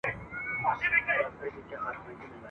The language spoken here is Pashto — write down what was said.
دا نظم مي ..